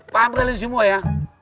paham kalian semua ya